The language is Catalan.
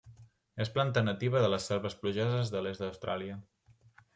És planta nativa de les selves plujoses de l'est d'Austràlia.